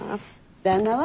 旦那は？